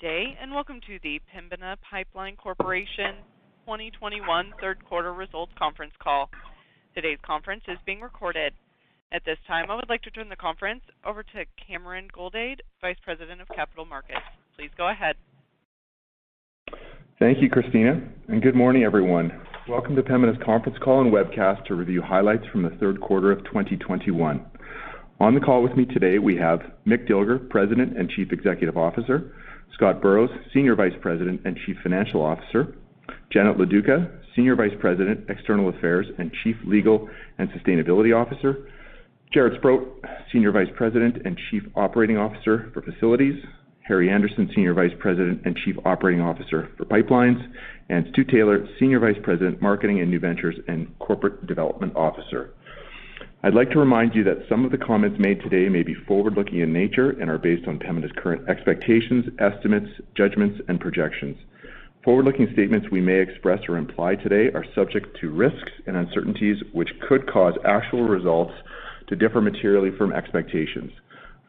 Good day, and welcome to the Pembina Pipeline Corporation 2021 third quarter results conference call. Today's conference is being recorded. At this time, I would like to turn the conference over to Cameron Goldade, Vice President of Capital Markets. Please go ahead. Thank you, Christina, and good morning, everyone. Welcome to Pembina's conference call and webcast to review highlights from the third quarter of 2021. On the call with me today, we have Mick Dilger, President and Chief Executive Officer, Scott Burrows, Senior Vice President and Chief Financial Officer, Janet Loduca, Senior Vice President, External Affairs and Chief Legal and Sustainability Officer, Jaret Sprott, Senior Vice President and Chief Operating Officer for Facilities, Harry Andersen, Senior Vice President and Chief Operating Officer for Pipelines, and Stu Taylor, Senior Vice President, Marketing and New Ventures and Corporate Development Officer. I'd like to remind you that some of the comments made today may be forward-looking in nature and are based on Pembina's current expectations, estimates, judgments, and projections. Forward-looking statements we may express or imply today are subject to risks and uncertainties, which could cause actual results to differ materially from expectations.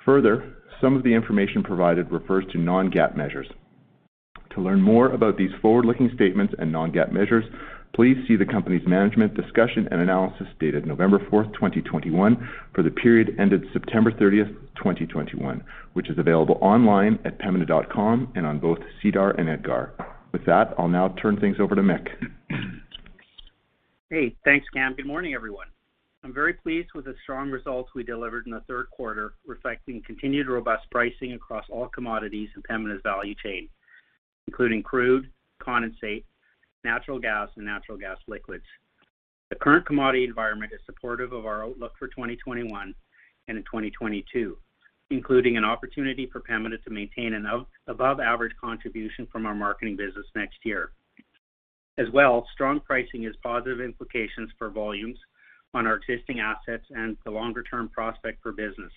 Further, some of the information provided refers to non-GAAP measures. To learn more about these forward-looking statements and non-GAAP measures, please see the company's management discussion and analysis dated November 4th, 2021 for the period ended September 30th, 2021, which is available online at pembina.com and on both SEDAR and EDGAR. With that, I'll now turn things over to Mick. Great. Thanks, Cam. Good morning, everyone. I'm very pleased with the strong results we delivered in the third quarter, reflecting continued robust pricing across all commodities in Pembina's value chain, including crude, condensate, natural gas, and natural gas liquids. The current commodity environment is supportive of our outlook for 2021 and in 2022, including an opportunity for Pembina to maintain an above average contribution from our marketing business next year. As well, strong pricing has positive implications for volumes on our existing assets and the longer-term prospect for business,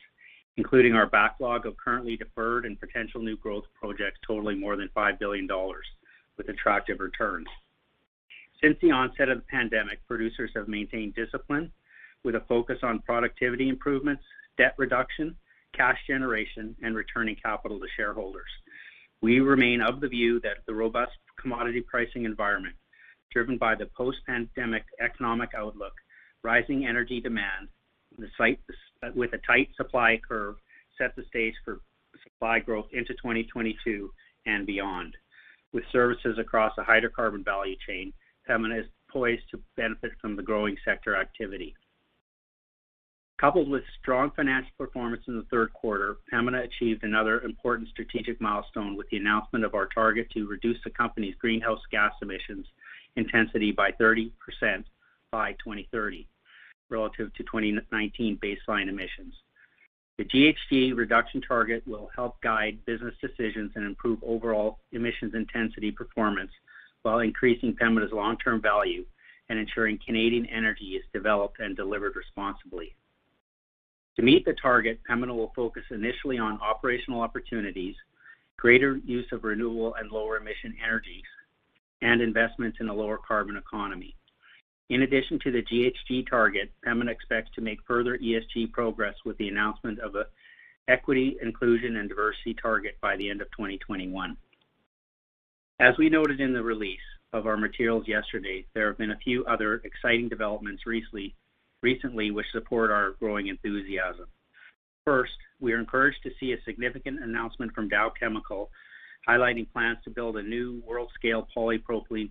including our backlog of currently deferred and potential new growth projects totaling more than 5 billion dollars with attractive returns. Since the onset of the pandemic, producers have maintained discipline with a focus on productivity improvements, debt reduction, cash generation, and returning capital to shareholders. We remain of the view that the robust commodity pricing environment, driven by the post-pandemic economic outlook, rising energy demand, with a tight supply curve, set the stage for supply growth into 2022 and beyond. With services across the hydrocarbon value chain, Pembina is poised to benefit from the growing sector activity. Coupled with strong financial performance in the third quarter, Pembina achieved another important strategic milestone with the announcement of our target to reduce the company's greenhouse gas emissions intensity by 30% by 2030 relative to 2019 baseline emissions. The GHG reduction target will help guide business decisions and improve overall emissions intensity performance while increasing Pembina's long-term value and ensuring Canadian energy is developed and delivered responsibly. To meet the target, Pembina will focus initially on operational opportunities, greater use of renewable and lower emission energies, and investments in a lower carbon economy. In addition to the GHG target, Pembina expects to make further ESG progress with the announcement of a equity, inclusion, and diversity target by the end of 2021. As we noted in the release of our materials yesterday, there have been a few other exciting developments recently, which support our growing enthusiasm. First, we are encouraged to see a significant announcement from Dow Chemical highlighting plans to build a new world-scale polyethylene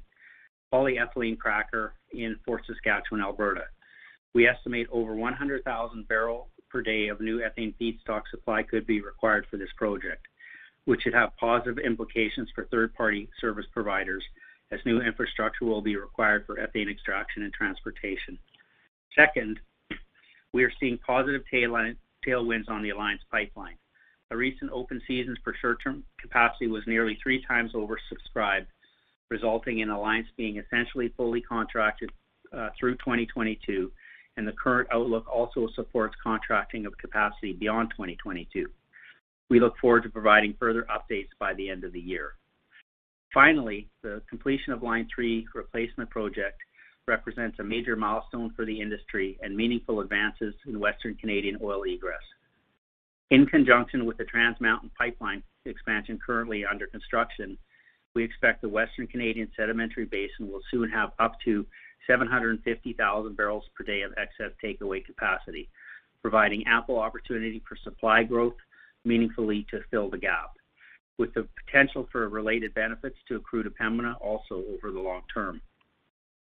cracker in Fort Saskatchewan, Alberta. We estimate over 100,000 bbl per day of new ethane feedstock supply could be required for this project, which should have positive implications for third-party service providers as new infrastructure will be required for ethane extraction and transportation. Second, we are seeing positive tailwinds on the Alliance Pipeline. A recent open seasons for short-term capacity was nearly three times oversubscribed, resulting in Alliance being essentially fully contracted through 2022, and the current outlook also supports contracting of capacity beyond 2022. We look forward to providing further updates by the end of the year. Finally, the completion of Line 3 Replacement Project represents a major milestone for the industry and meaningful advances in Western Canadian oil egress. In conjunction with the Trans Mountain Pipeline expansion currently under construction, we expect the Western Canadian Sedimentary Basin will soon have up to 750,000 bbl per day of excess takeaway capacity, providing ample opportunity for supply growth meaningfully to fill the gap, with the potential for related benefits to accrue to Pembina also over the long term.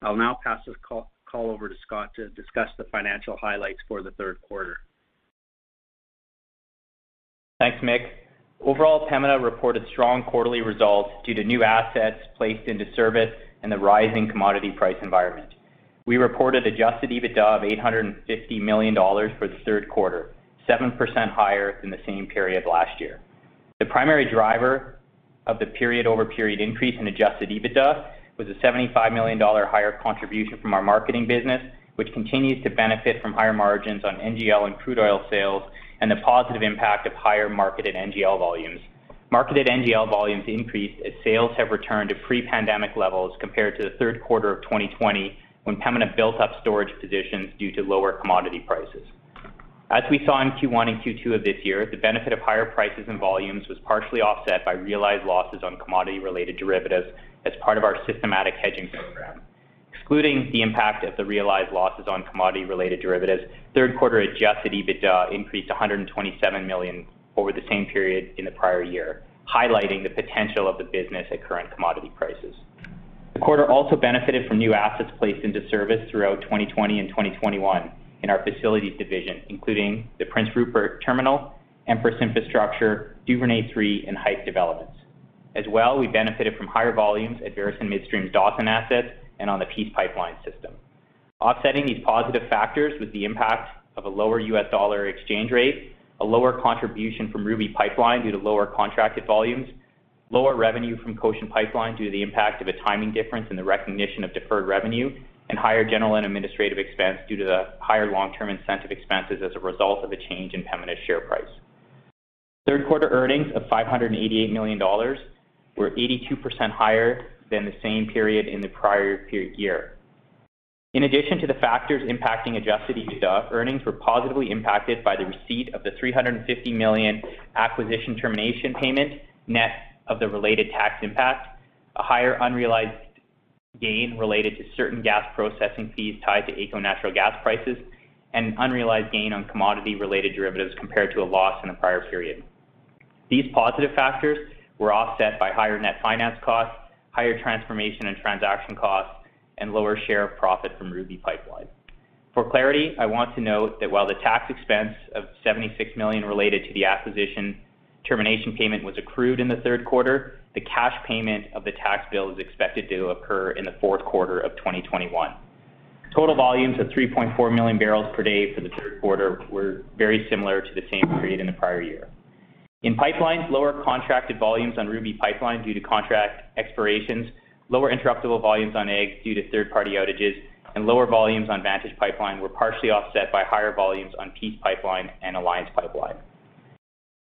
I'll now pass this call over to Scott to discuss the financial highlights for the third quarter. Thanks, Mick. Overall, Pembina reported strong quarterly results due to new assets placed into service and the rising commodity price environment. We reported adjusted EBITDA of 850 million dollars for the third quarter, 7% higher than the same period last year. The primary driver of the period-over-period increase in adjusted EBITDA was a 75 million dollar higher contribution from our marketing business, which continues to benefit from higher margins on NGL and crude oil sales and the positive impact of higher marketed NGL volumes. Marketed NGL volumes increased as sales have returned to pre-pandemic levels compared to the third quarter of 2020, when Pembina built up storage positions due to lower commodity prices. As we saw in Q1 and Q2 of this year, the benefit of higher prices and volumes was partially offset by realized losses on commodity-related derivatives as part of our systematic hedging program. Excluding the impact of the realized losses on commodity-related derivatives, third quarter adjusted EBITDA increased 127 million over the same period in the prior year, highlighting the potential of the business at current commodity prices. The quarter also benefited from new assets placed into service throughout 2020 and 2021 in our facilities division, including the Prince Rupert Terminal, Empress Infrastructure, Duvernay III, and Hythe Developments. We benefited from higher volumes at Veresen Midstream's Dawson assets and on the Peace Pipeline system. Offsetting these positive factors with the impact of a lower US dollar exchange rate, a lower contribution from Ruby Pipeline due to lower contracted volumes, lower revenue from Goshen Pipeline due to the impact of a timing difference in the recognition of deferred revenue, and higher general and administrative expense due to the higher long-term incentive expenses as a result of a change in Pembina's share price. Third quarter earnings of 588 million dollars were 82% higher than the same period in the prior period year. In addition to the factors impacting adjusted EBITDA, earnings were positively impacted by the receipt of 350 million acquisition termination payment net of the related tax impact, a higher unrealized gain related to certain gas processing fees tied to AECO natural gas prices, and an unrealized gain on commodity-related derivatives compared to a loss in the prior period. These positive factors were offset by higher net finance costs, higher transformation and transaction costs, and lower share of profit from Ruby Pipeline. For clarity, I want to note that while the tax expense of 76 million related to the acquisition termination payment was accrued in the third quarter, the cash payment of the tax bill is expected to occur in the fourth quarter of 2021. Total volumes of 3.4 MMbpd for the third quarter were very similar to the same period in the prior year. In pipelines, lower contracted volumes on Ruby Pipeline due to contract expirations, lower interruptible volumes on NGTL due to third-party outages, and lower volumes on Vantage Pipeline were partially offset by higher volumes on Peace Pipeline and Alliance Pipeline.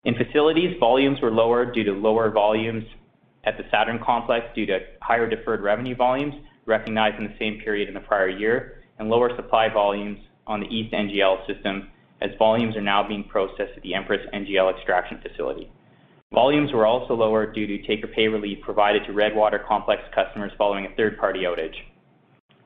In facilities, volumes were lower due to lower volumes at the Saturn complex due to higher deferred revenue volumes recognized in the same period in the prior year, and lower supply volumes on the East NGL System as volumes are now being processed at the Empress NGL Extraction Facility. Volumes were also lower due to take-or-pay relief provided to Redwater Complex customers following a third-party outage.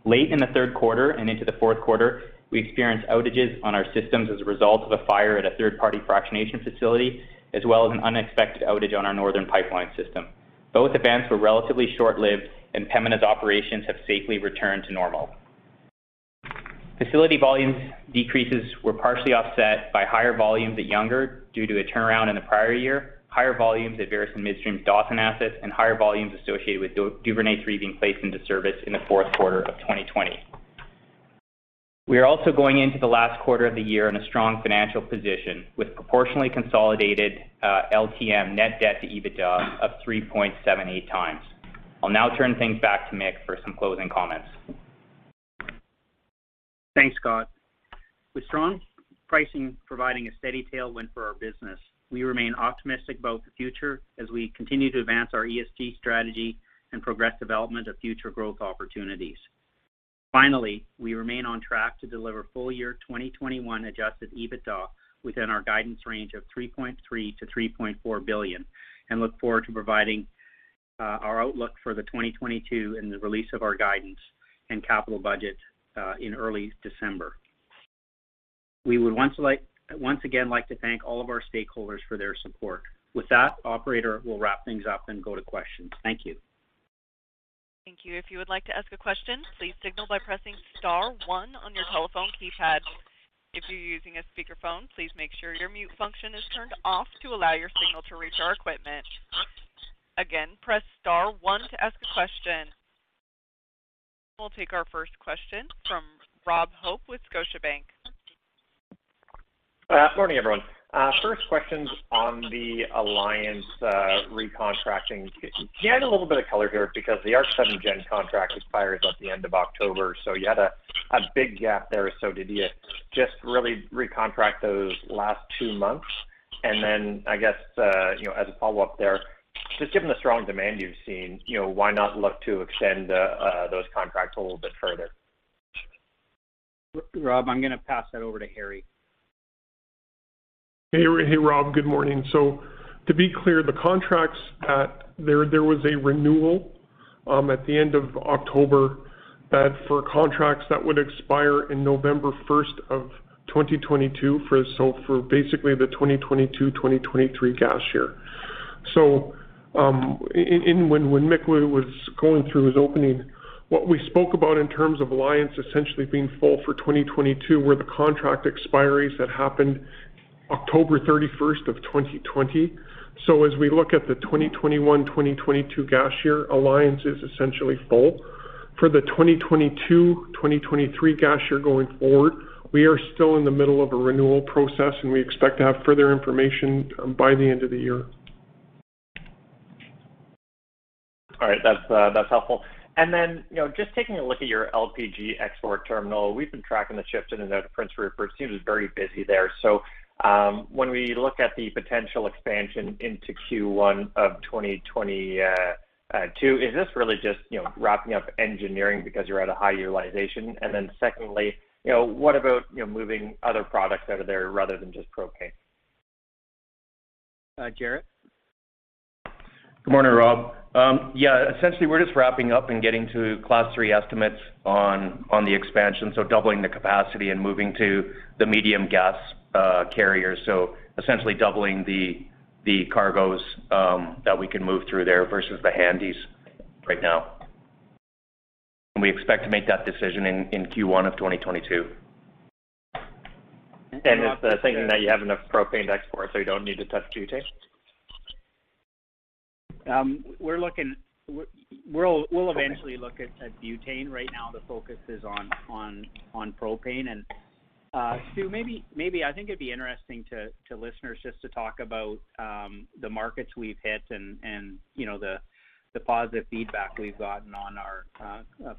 Late in the third quarter and into the fourth quarter, we experienced outages on our systems as a result of a fire at a third-party fractionation facility, as well as an unexpected outage on our northern pipeline system. Both events were relatively short-lived, and Pembina's operations have safely returned to normal. Facility volumes decreases were partially offset by higher volumes at Younger due to a turnaround in the prior year, higher volumes at Veresen Midstream's Dawson assets, and higher volumes associated with Duvernay III being placed into service in the fourth quarter of 2020. We are also going into the last quarter of the year in a strong financial position, with proportionally consolidated LTM net debt to EBITDA of 3.78x. I'll now turn things back to Mick for some closing comments. Thanks, Scott. With strong pricing providing a steady tailwind for our business, we remain optimistic about the future as we continue to advance our ESG strategy and progress development of future growth opportunities. Finally, we remain on track to deliver full-year 2021 adjusted EBITDA within our guidance range of 3.3 billion-3.4 billion and look forward to providing our outlook for 2022 and the release of our guidance and capital budget in early December. We would once again like to thank all of our stakeholders for their support. With that, operator, we'll wrap things up and go to questions. Thank you. Thank you. If you would like to ask a question, please signal by pressing star one on your telephone keypad. If you're using a speakerphone, please make sure your mute function is turned off to allow your signal to reach our equipment. Again, press star one to ask a question. We'll take our first question from Rob Hope with Scotiabank. Morning, everyone. First question's on the Alliance recontracting. Can you add a little bit of color here? Because the ARC7 contract expires at the end of October, so you had a big gap there, so did you just really recontract those last two months? Then I guess, you know, as a follow-up there, just given the strong demand you've seen, you know, why not look to extend those contracts a little bit further? Rob, I'm gonna pass that over to Harry. Hey, Rob. Good morning. To be clear, there was a renewal at the end of October for contracts that would expire in November 1st, 2022, for basically the 2022-2023 gas year. When Mick was going through his opening, what we spoke about in terms of Alliance essentially being full for 2022 were the contract expiries that happened October 31st, 2020. As we look at the 2021-2022 gas year, Alliance is essentially full. For the 2022-2023 gas year going forward, we are still in the middle of a renewal process, and we expect to have further information by the end of the year. All right. That's, that's helpful. You know, just taking a look at your LPG export terminal, we've been tracking the shifts in and out of Prince Rupert. It seems it's very busy there. When we look at the potential expansion into Q1 of 2022, is this really just, you know, wrapping up engineering because you're at a high utilization? Secondly, you know, what about, you know, moving other products out of there rather than just propane? Jaret? Good morning, Rob. Yeah, essentially, we're just wrapping up and getting to class three estimates on the expansion, so doubling the capacity and moving to the medium gas carrier. So essentially doubling the cargos that we can move through there versus the handies right now. We expect to make that decision in Q1 of 2022. Is the thing that you have enough propane to export, so you don't need to touch butane? Um, we're looking... We-we'll, we'll. Okay. Eventually look at butane. Right now, the focus is on propane. Stu, maybe I think it'd be interesting to listeners just to talk about the markets we've hit and, you know, the positive feedback we've gotten on our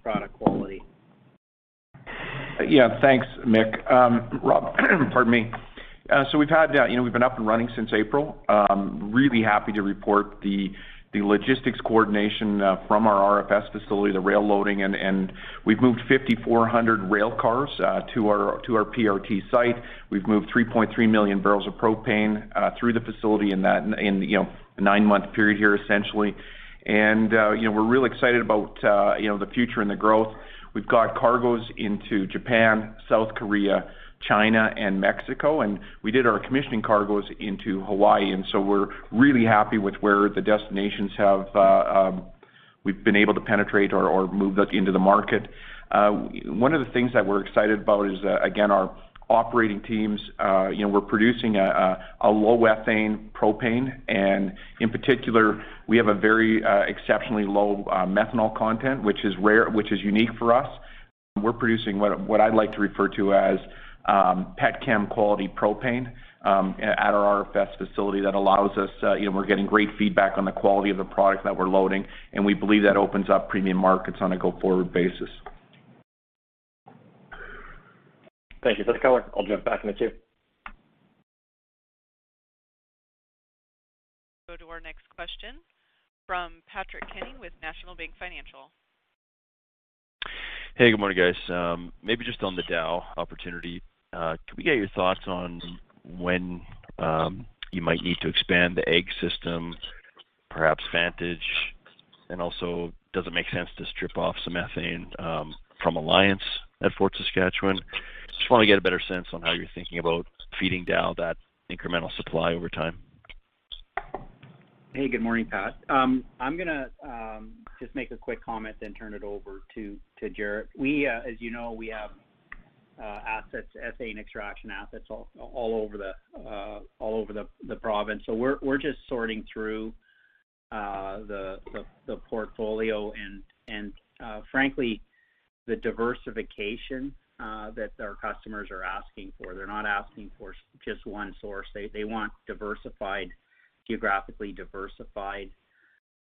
product quality. Yeah. Thanks, Mick. Rob, pardon me. So we've had, you know, we've been up and running since April. Really happy to report the logistics coordination from our RFS facility, the rail loading, and we've moved 5,400 rail cars to our PRT site. We've moved 3.3 million bbls of propane through the facility in that, you know, -month period here, essentially. You know, we're really excited about, you know, the future and the growth. We've got cargos into Japan, South Korea, China, and Mexico, and we did our commissioning cargos into Hawaii, and so we're really happy with where the destinations have, we've been able to penetrate or move into the market. One of the things that we're excited about is, again, our operating teams, you know, we're producing a low-ethane propane, and in particular, we have a very exceptionally low methanol content, which is rare, which is unique for us. We're producing what I'd like to refer to as petchem quality propane at our RFS facility that allows us, you know, we're getting great feedback on the quality of the product that we're loading, and we believe that opens up premium markets on a go-forward basis. Thank you for the color. I'll jump back in the queue. Go to our next question from Patrick Kenny with National Bank Financial. Hey, good morning, guys. Maybe just on the Dow opportunity, could we get your thoughts on when you might need to expand the East NGL System, perhaps Vantage? And also, does it make sense to strip off some ethane from Alliance at Fort Saskatchewan? Just wanna get a better sense on how you're thinking about feeding Dow that incremental supply over time. Hey, good morning, Pat. I'm gonna just make a quick comment then turn it over to Jaret. As you know, we have ethane extraction assets all over the province. We're just sorting through the portfolio and frankly the diversification that our customers are asking for. They're not asking for just one source. They want diversified, geographically diversified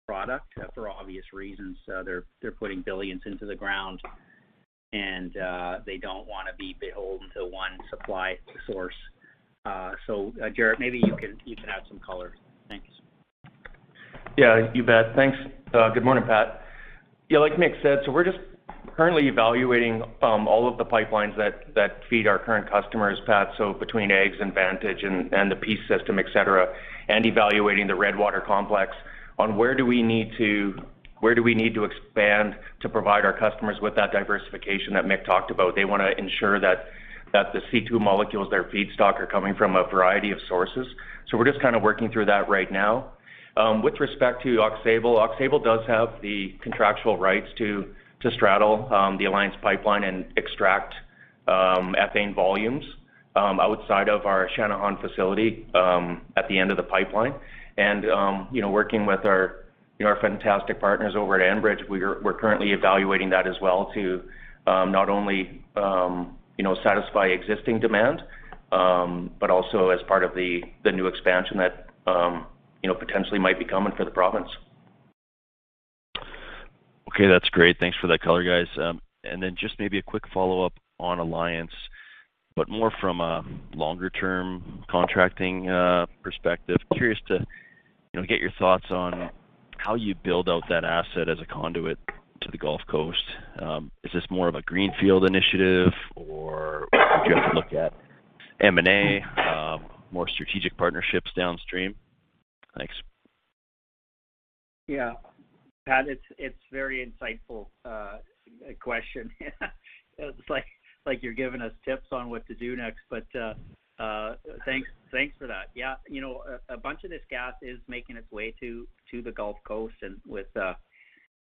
product for obvious reasons. They're putting billions into the ground, and they don't wanna be beholden to one supply source. Jaret, maybe you can add some color. Thanks. Yeah, you bet. Thanks. Good morning, Pat. Yeah, like Mick said, we're just currently evaluating all of the pipelines that feed our current customers, Pat, so between East and Vantage and the Peace system, et cetera, and evaluating the Redwater complex on where do we need to expand to provide our customers with that diversification that Mick talked about. They wanna ensure that the C2 molecules, their feedstock, are coming from a variety of sources. We're just kind of working through that right now. With respect to Aux Sable, Aux Sable does have the contractual rights to straddle the Alliance Pipeline and extract ethane volumes outside of our Channahon facility at the end of the pipeline. Working with our you know our fantastic partners over at Enbridge, we're currently evaluating that as well to not only you know satisfy existing demand, but also as part of the new expansion that you know potentially might be coming for the province. Okay, that's great. Thanks for that color, guys. Just maybe a quick follow-up on Alliance, but more from a longer-term contracting perspective. Curious to, you know, get your thoughts on how you build out that asset as a conduit to the Gulf Coast. Is this more of a greenfield initiative, or would you have to look at M&A, more strategic partnerships downstream? Thanks. Yeah. Pat, it's very insightful question. It's like you're giving us tips on what to do next, but thanks for that. Yeah. You know, a bunch of this gas is making its way to the Gulf Coast, and with $20+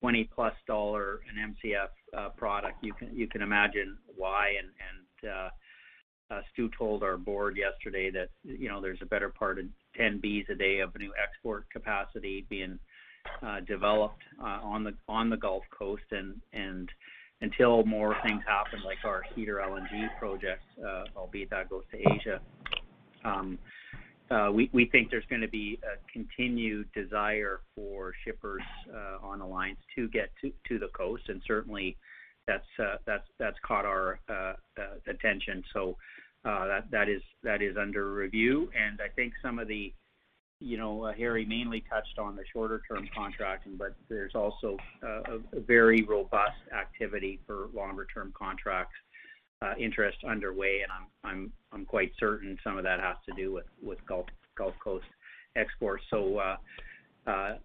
an MCF product, you can imagine why. Stu told our board yesterday that, you know, there's a better part of 10 Bcf a day of new export capacity being developed on the Gulf Coast. Until more things happen, like our Cedar LNG project, albeit that goes to Asia, we think there's gonna be a continued desire for shippers on Alliance to get to the coast, and certainly that's caught our attention. That is under review. I think some of the, you know, Harry mainly touched on the shorter term contracting, but there's also a very robust activity for longer term contracts, interest underway, and I'm quite certain some of that has to do with Gulf Coast exports.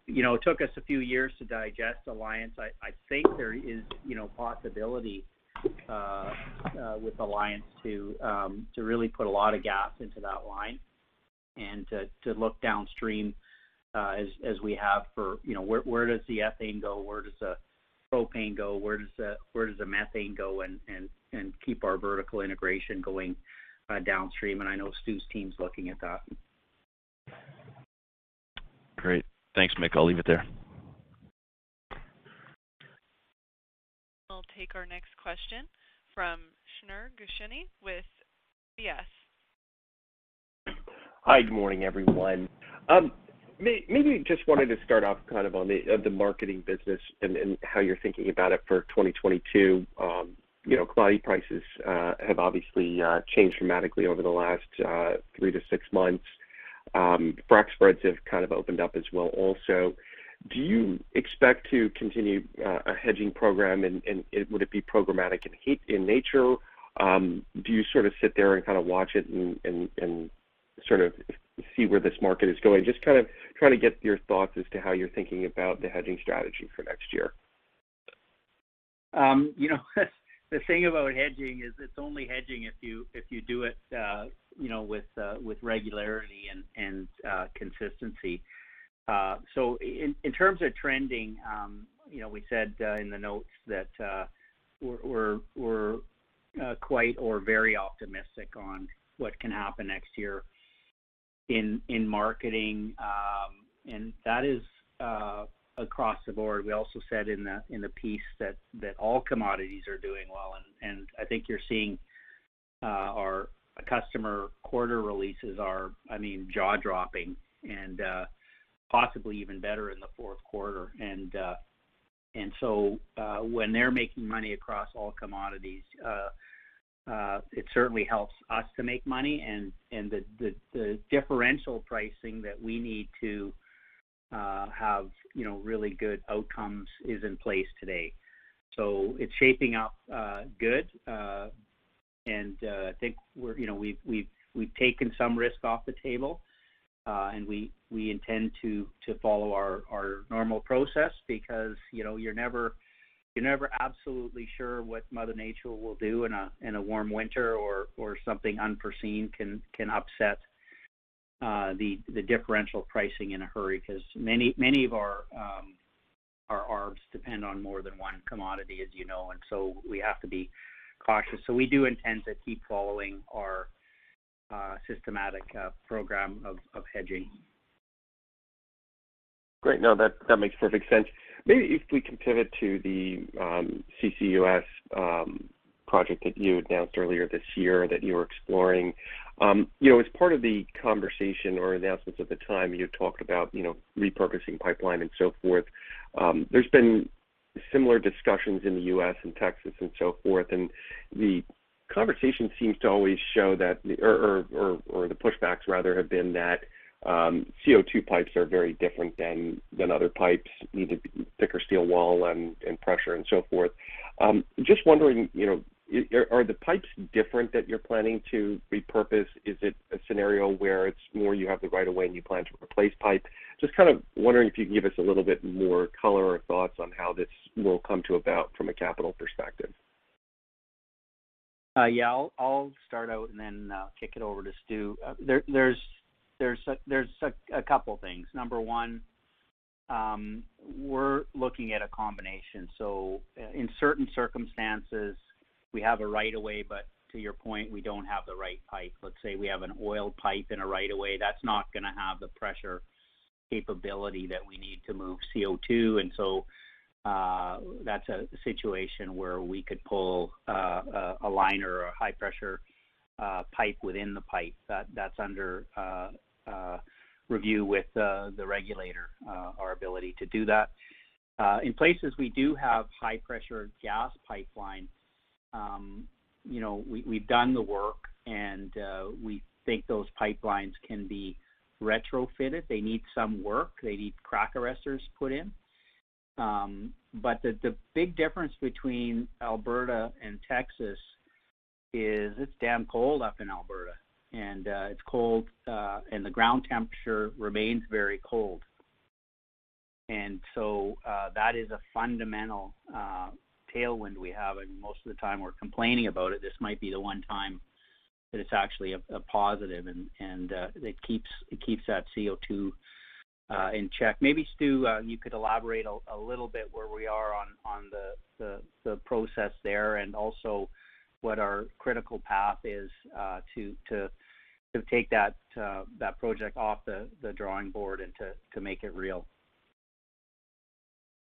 You know, it took us a few years to digest Alliance. I think there is, you know, possibility with Alliance to really put a lot of gas into that line and to look downstream as we have for, you know, where does the ethane go? Where does the propane go? Where does the methane go and keep our vertical integration going downstream. I know Stu's team's looking at that. Great. Thanks, Mick. I'll leave it there. We'll take our next question from Shneur Gershuni with UBS. Hi, good morning, everyone. Maybe just wanted to start off kind of on the marketing business and how you're thinking about it for 2022. You know, commodity prices have obviously changed dramatically over the last three-six months. Frack spreads have kind of opened up as well. Do you expect to continue a hedging program and would it be programmatic in nature? Do you sort of sit there and kind of watch it and sort of see where this market is going? Just kind of trying to get your thoughts as to how you're thinking about the hedging strategy for next year. You know, the thing about hedging is it's only hedging if you do it, you know, with regularity and consistency. In terms of trending, you know, we said in the notes that we're quite or very optimistic on what can happen next year in marketing. That is across the board. We also said in the piece that all commodities are doing well, and I think you're seeing our customers' quarterly releases are, I mean, jaw-dropping and possibly even better in the fourth quarter. When they're making money across all commodities, it certainly helps us to make money and the differential pricing that we need to have, you know, really good outcomes is in place today. It's shaping up good. I think we're, you know, we've taken some risk off the table, and we intend to follow our normal process because, you know, you're never absolutely sure what Mother Nature will do in a warm winter or something unforeseen can upset the differential pricing in a hurry because many of our arbs depend on more than one commodity, as you know, and so we have to be cautious. We do intend to keep following our systematic program of hedging. Great. No, that makes perfect sense. Maybe if we can pivot to the CCUS project that you announced earlier this year that you were exploring. You know, as part of the conversation or announcements at the time, you had talked about, you know, repurposing pipeline and so forth. There's been similar discussions in the U.S. and Texas and so forth, and the conversation seems to always show that, or the pushbacks rather have been that, CO2 pipes are very different than other pipes, need a thicker steel wall and pressure and so forth. Just wondering, you know, are the pipes different that you're planning to repurpose? Is it a scenario where it's more you have the right of way and you plan to replace pipe? Just kind of wondering if you can give us a little bit more color or thoughts on how this will come about from a capital perspective? Yeah. I'll start out and then kick it over to Stu. There's a couple things. Number one, we're looking at a combination. In certain circumstances, we have a right of way, but to your point, we don't have the right pipe. Let's say we have an oil pipe in a right of way, that's not gonna have the pressure capability that we need to move CO2. That's a situation where we could pull a line or a high-pressure pipe within the pipe. That's under review with the regulator our ability to do that. In places we do have high-pressure gas pipelines, you know, we've done the work, and we think those pipelines can be retrofitted. They need some work. They need crack arrestors put in. The big difference between Alberta and Texas is it's damn cold up in Alberta, and it's cold, and the ground temperature remains very cold. That is a fundamental tailwind we have, and most of the time we're complaining about it. This might be the one time that it's actually a positive and it keeps that CO2 in check. Maybe Stu, you could elaborate a little bit where we are on the process there and also what our critical path is to take that project off the drawing board and to make it real.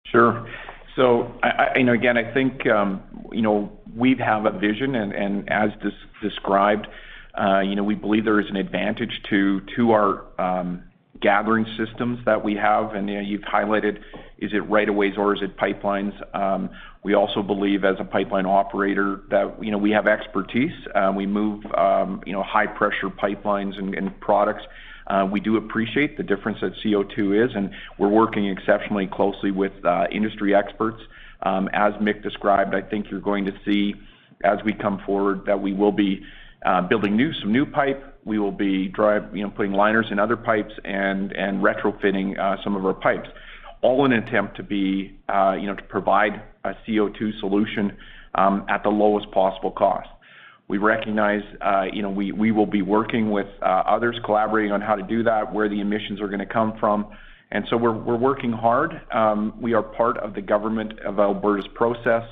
Sure. You know, again, I think you know, we have a vision, and as described, you know, we believe there is an advantage to our gathering systems that we have, and you know, you've highlighted is it rights-of-way or is it pipelines? We also believe as a pipeline operator that you know, we have expertise. We move you know, high-pressure pipelines and products. We do appreciate the difference that CO2 is, and we're working exceptionally closely with industry experts. As Mick described, I think you're going to see as we come forward that we will be building some new pipe. We will be you know, putting liners in other pipes and retrofitting some of our pipes, all in attempt to be, you know, to provide a CO2 solution at the lowest possible cost. We recognize, you know, we will be working with others collaborating on how to do that, where the emissions are gonna come from. We're working hard. We are part of the government of Alberta's process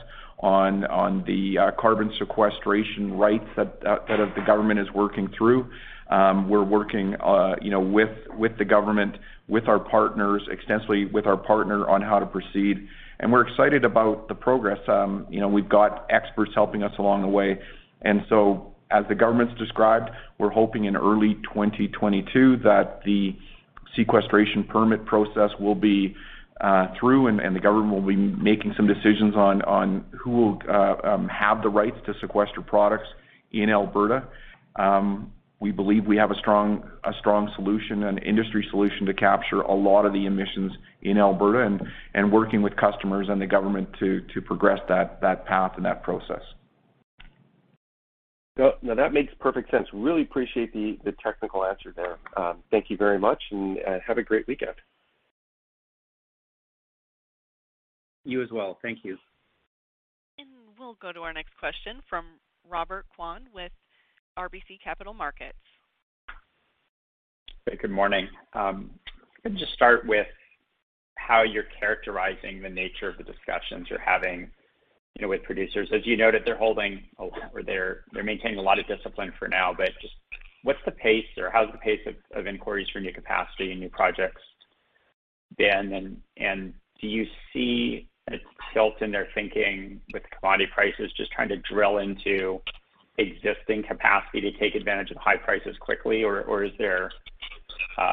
on the carbon sequestration rights that of the government is working through. We're working you know, with the government, with our partners, extensively with our partner on how to proceed, and we're excited about the progress. You know, we've got experts helping us along the way. As the government's described, we're hoping in early 2022 that the sequestration permit process will be through, and the government will be making some decisions on who will have the rights to sequester products in Alberta. We believe we have a strong solution, an industry solution to capture a lot of the emissions in Alberta and working with customers and the government to progress that path and that process. No, no, that makes perfect sense. I really appreciate the technical answer there. Thank you very much, and have a great weekend. You as well. Thank you. We'll go to our next question from Robert Kwan with RBC Capital Markets. Hey, good morning. Just start with how you're characterizing the nature of the discussions you're having, you know, with producers. As you noted, they're holding or they're maintaining a lot of discipline for now. Just what's the pace or how's the pace of inquiries for new capacity and new projects been? Do you see a tilt in their thinking with commodity prices just trying to drill into existing capacity to take advantage of high prices quickly? Is there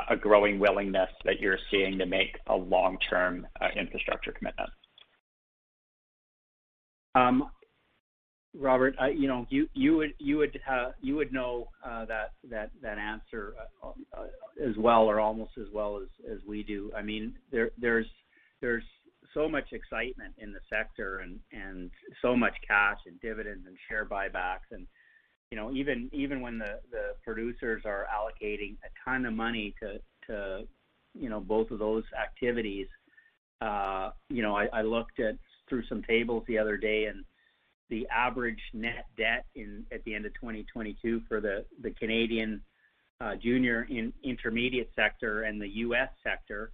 a growing willingness that you're seeing to make a long-term infrastructure commitment? Robert, you know, you would know that answer as well or almost as well as we do. I mean, there's so much excitement in the sector and so much cash and dividends and share buybacks. You know, even when the producers are allocating a ton of money to, you know, both of those activities, you know, I looked through some tables the other day, and the average net debt at the end of 2022 for the Canadian junior and intermediate sector and the U.S. sector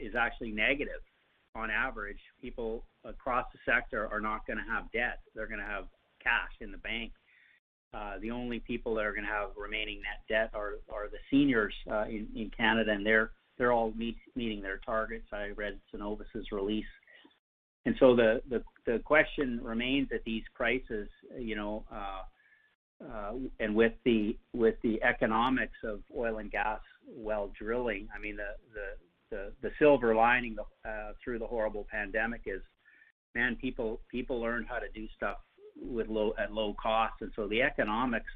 is actually negative. On average, people across the sector are not gonna have debt. They're gonna have cash in the bank. The only people that are gonna have remaining net debt are the seniors in Canada, and they're all meeting their targets. I read Cenovus' release. The question remains that these prices, you know, and with the economics of oil and gas well drilling, I mean, the silver lining through the horrible pandemic is, man, people learned how to do stuff at low cost. The economics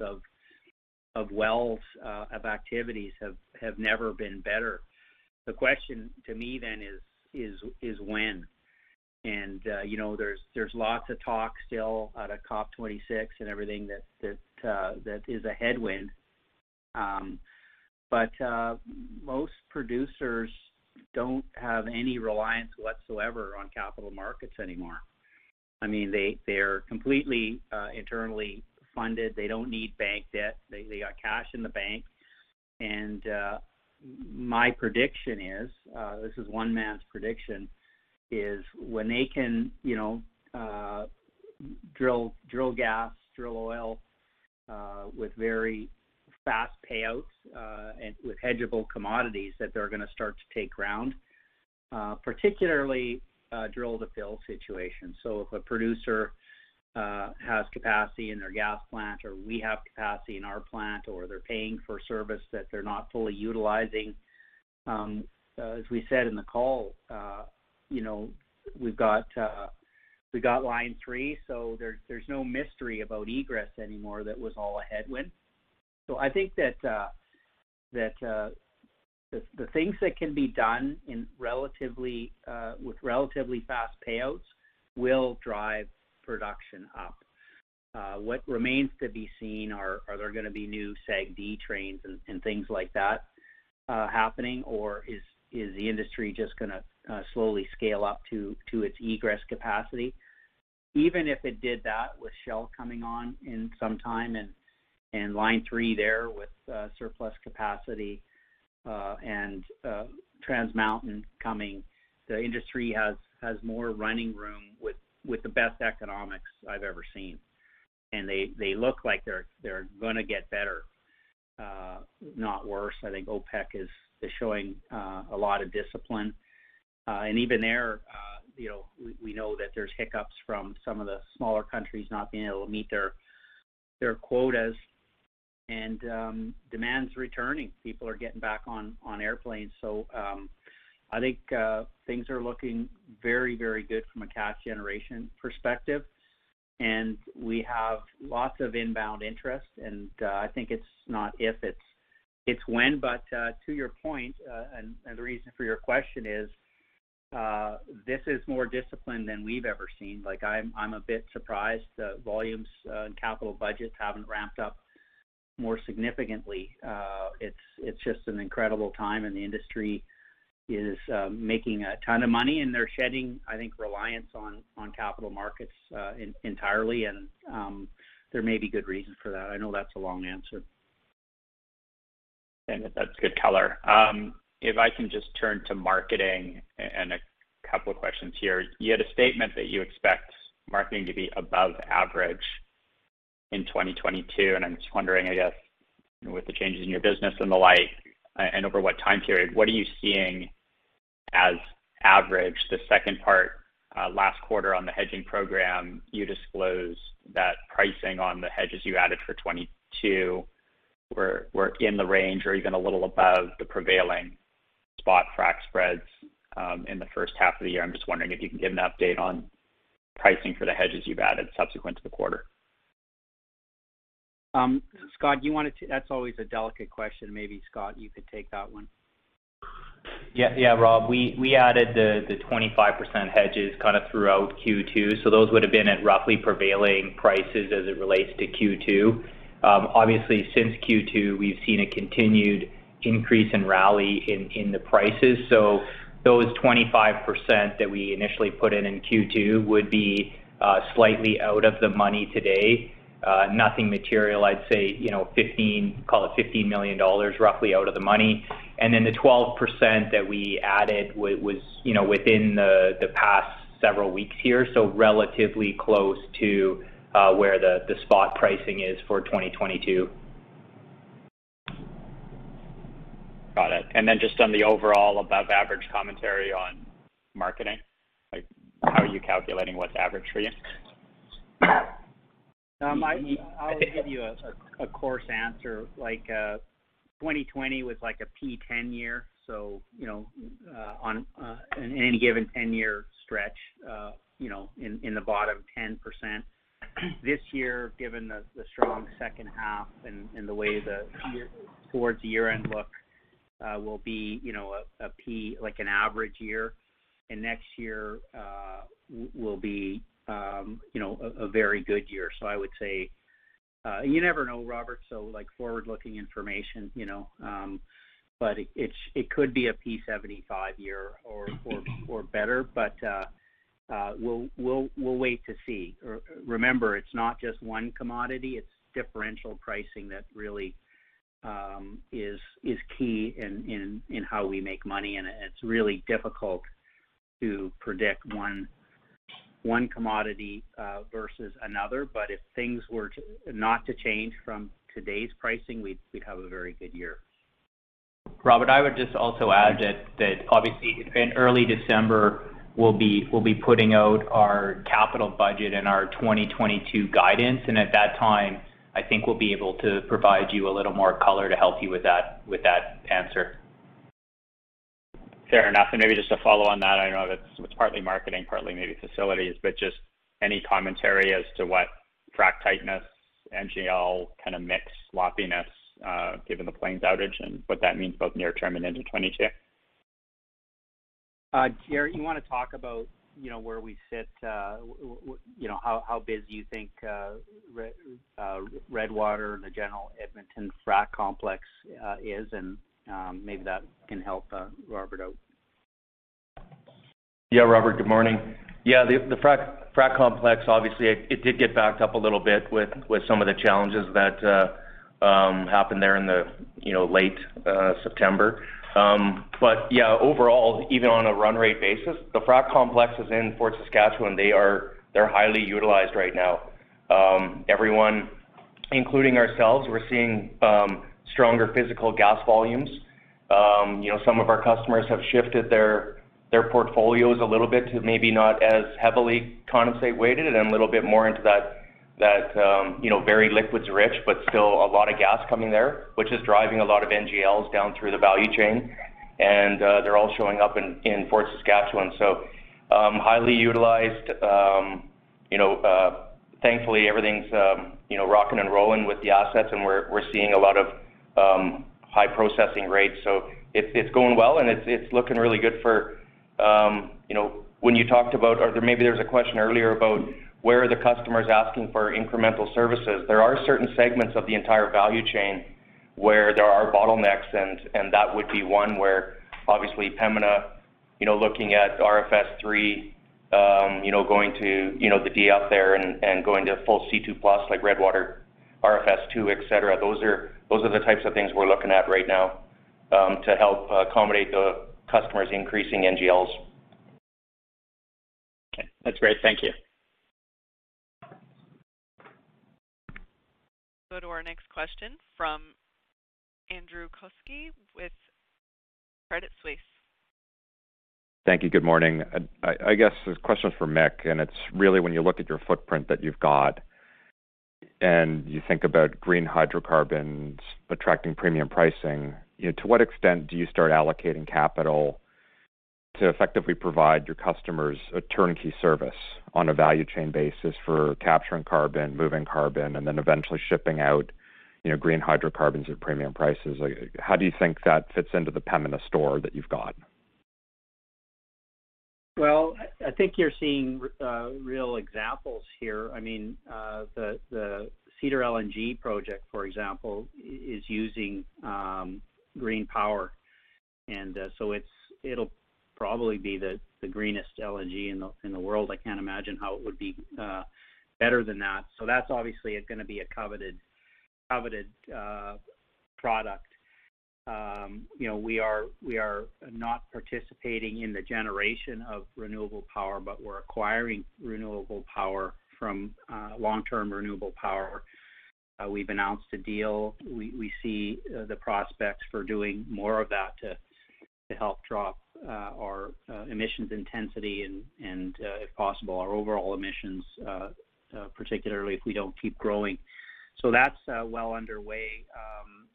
of wells of activities have never been better. The question to me then is when. You know, there's lots of talk still out of COP26 and everything that is a headwind. Most producers don't have any reliance whatsoever on capital markets anymore. I mean, they're completely internally funded. They don't need bank debt. They got cash in the bank. My prediction is, this is one man's prediction, when they can, you know, drill gas, drill oil with very fast payouts and with hedgeable commodities, that they're gonna start to take ground, particularly drill to fill situations. If a producer has capacity in their gas plant or we have capacity in our plant, or they're paying for service that they're not fully utilizing, as we said in the call, you know, we've got Line 3, so there's no mystery about egress anymore. That was all a headwind. I think that the things that can be done with relatively fast payouts will drive production up. What remains to be seen are there gonna be new SAGD trains and things like that happening, or is the industry just gonna slowly scale up to its egress capacity? Even if it did that with Shell coming on in some time and Line 3 there with surplus capacity, and Trans Mountain coming, the industry has more running room with the best economics I've ever seen. They look like they're gonna get better, not worse. I think OPEC is showing a lot of discipline. Even there, you know, we know that there's hiccups from some of the smaller countries not being able to meet their their quotas and demand's returning. People are getting back on airplanes. I think things are looking very, very good from a cash generation perspective, and we have lots of inbound interest. I think it's not if, it's when. To your point, and the reason for your question is, this is more discipline than we've ever seen. Like, I'm a bit surprised that volumes and capital budgets haven't ramped up more significantly. It's just an incredible time, and the industry is making a ton of money, and they're shedding, I think, reliance on capital markets entirely. There may be good reasons for that. I know that's a long answer. That's good color. If I can just turn to marketing and a couple of questions here. You had a statement that you expect marketing to be above average in 2022, and I'm just wondering, I guess, with the changes in your business and the like, and over what time period, what are you seeing as average? The second part, last quarter on the hedging program, you disclosed that pricing on the hedges you added for 2022 were in the range or even a little above the prevailing spot frac spreads, in the first half of the year. I'm just wondering if you can give an update on pricing for the hedges you've added subsequent to the quarter. That's always a delicate question. Maybe Scott, you could take that one. Yeah. Yeah, Rob, we added the 25% hedges kind of throughout Q2, so those would've been at roughly prevailing prices as it relates to Q2. Obviously since Q2, we've seen a continued increase and rally in the prices. So those 25% that we initially put in in Q2 would be slightly out of the money today. Nothing material. I'd say, you know, 15, call it 15 million dollars roughly out of the money. Then the 12% that we added was, you know, within the past several weeks here, so relatively close to where the spot pricing is for 2022. Got it. Just on the overall above average commentary on marketing, like how are you calculating what's average for you? I'll give you a coarse answer. Like, 2020 was like a P10 year, so you know, one in any given 10-year stretch, you know, in the bottom 10%. This year, given the strong second half and the way the year towards year-end looks, will be, you know, a P50. Like an average year. Next year, will be, you know, a very good year. I would say, you never know, Robert, like forward-looking information, you know. It could be a P75 year or better. We'll wait to see. Remember, it's not just one commodity, it's differential pricing that really is key in how we make money. It's really difficult to predict one commodity versus another. If things were not to change from today's pricing, we'd have a very good year. Robert, I would just also add that obviously in early December we'll be putting out our capital budget and our 2022 guidance, and at that time, I think we'll be able to provide you a little more color to help you with that answer. Fair enough. Maybe just to follow on that, I know that's partly marketing, partly maybe facilities, but just any commentary as to what frac tightness, NGL kind of mix sloppiness, given the Plains outage and what that means both near term and into 2022. Jaret Sprott, you wanna talk about, you know, where we sit, you know, how busy you think Redwater and the general Edmonton frac complex is, and maybe that can help Robert out. Yeah, Robert, good morning. Yeah, the frac complex, obviously it did get backed up a little bit with some of the challenges that happened there in the you know late September. Overall, even on a run rate basis, the frac complex is in Fort Saskatchewan. They're highly utilized right now. Everyone, including ourselves, we're seeing stronger physical gas volumes. You know, some of our customers have shifted their portfolios a little bit to maybe not as heavily condensate weighted and a little bit more into that you know very liquids rich, but still a lot of gas coming there, which is driving a lot of NGLs down through the value chain. They're all showing up in Fort Saskatchewan, highly utilized. Thankfully everything's rocking and rolling with the assets, and we're seeing a lot of high processing rates. It's going well, and it's looking really good for you know. When you talked about, or maybe there was a question earlier about where are the customers asking for incremental services. There are certain segments of the entire value chain where there are bottlenecks and that would be one where obviously Pembina you know looking at RFS III you know going to the de-ethanizer there and going to full C2+ like Redwater, RFS II, et cetera. Those are the types of things we're looking at right now to help accommodate the customers increasing NGLs. Okay. That's great. Thank you. Go to our next question from Andrew Kuske with Credit Suisse. Thank you. Good morning. I guess this question is for Mick, and it's really when you look at your footprint that you've got and you think about green hydrocarbons attracting premium pricing, you know, to what extent do you start allocating capital to effectively provide your customers a turnkey service on a value chain basis for capturing carbon, moving carbon, and then eventually shipping out, you know, green hydrocarbons at premium prices? Like, how do you think that fits into the Pembina story that you've got? I think you're seeing real examples here. I mean, the Cedar LNG project, for example, is using green power. It's it'll probably be the greenest LNG in the world. I can't imagine how it would be better than that. That's obviously gonna be a coveted product. You know, we are not participating in the generation of renewable power, but we're acquiring renewable power from long-term renewable power. We've announced a deal. We see the prospects for doing more of that to help drop our emissions intensity and, if possible, our overall emissions, particularly if we don't keep growing. That's well underway.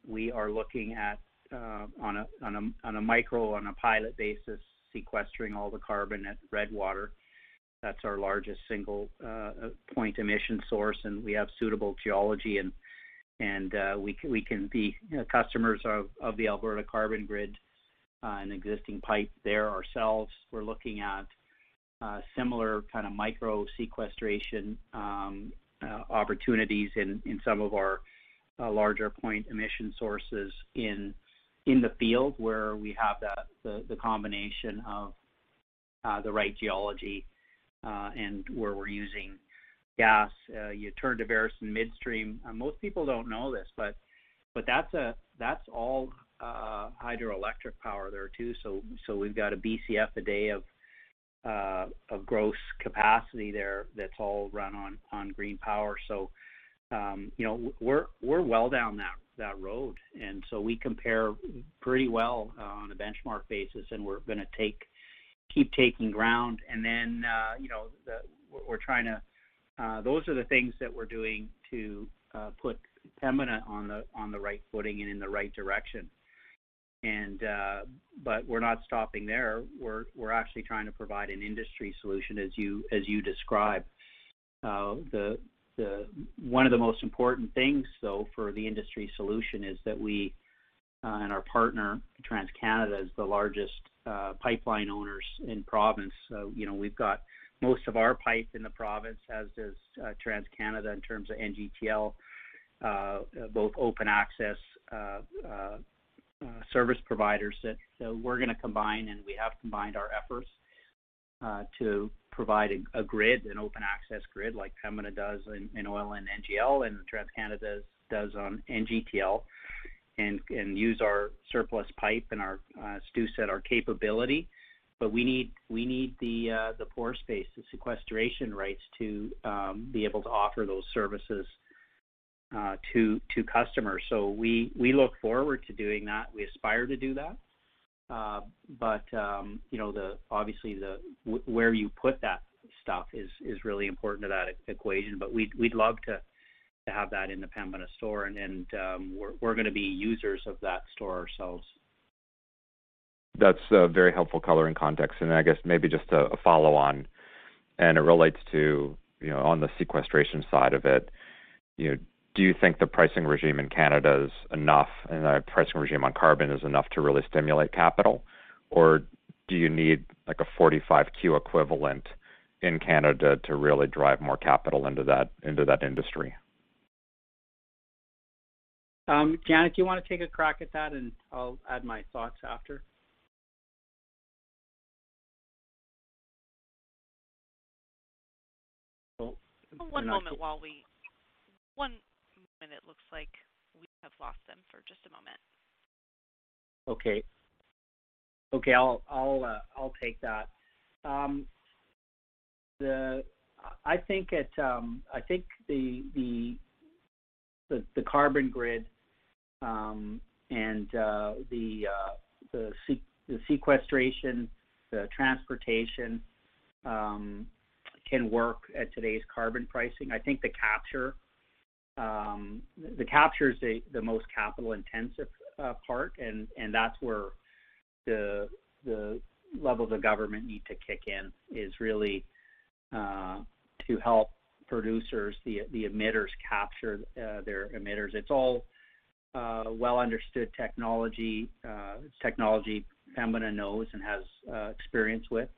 We are looking at on a micro pilot basis sequestering all the carbon at Redwater. That's our largest single point emission source, and we have suitable geology and we can be, you know, customers of the Alberta Carbon Grid, an existing pipe there ourselves. We're looking at similar kind of micro-sequestration opportunities in some of our larger point emission sources in the field where we have the combination of the right geology and where we're using gas. You turn to Veresen Midstream. Most people don't know this, but that's all hydroelectric power there too. We've got a BCF a day of gross capacity there that's all run on green power. You know, we're well down that road. We compare pretty well on a benchmark basis, and we're gonna keep taking ground. You know, those are the things that we're doing to put Pembina on the right footing and in the right direction. We're not stopping there. We're actually trying to provide an industry solution, as you described. One of the most important things, though, for the industry solution is that we and our partner, TransCanada, is the largest pipeline owners in province. You know, we've got most of our pipes in the province, as does TransCanada in terms of NGTL, both open access service providers that. We're gonna combine, and we have combined our efforts to provide a grid, an open access grid like Pembina does in oil and NGL, and TransCanada does on NGTL, and use our surplus pipe and our storage, our capability. We need the pore space, the sequestration rights to be able to offer those services to customers. We look forward to doing that. We aspire to do that. You know, obviously where you put that stuff is really important to that equation. We'd love to have that in the Pembina store, and then we're gonna be users of that store ourselves. That's very helpful color and context. I guess maybe just a follow-on, and it relates to, you know, on the sequestration side of it. You know, do you think the pricing regime in Canada is enough, and the pricing regime on carbon is enough to really stimulate capital? Or do you need like a 45Q equivalent in Canada to really drive more capital into that, into that industry? Janet, do you wanna take a crack at that, and I'll add my thoughts after? Well. One moment. It looks like we have lost them for just a moment. Okay. I'll take that. I think the Carbon Grid and the sequestration, the transportation can work at today's carbon pricing. I think the capture is the most capital-intensive part, and that's where the levels of government need to kick in to help producers, the emitters, capture their emissions. It's all well-understood technology Pembina knows and has experience with.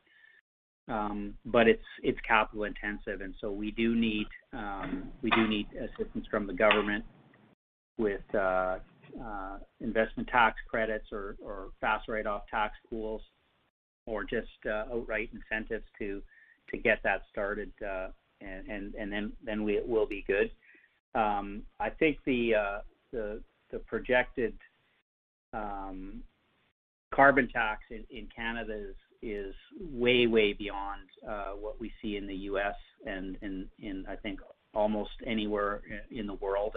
It's capital intensive, so we do need assistance from the government with investment tax credits or fast write-off tax pools, or just outright incentives to get that started, and then it will be good. I think the projected carbon tax in Canada is way beyond what we see in the U.S. and, I think, almost anywhere in the world.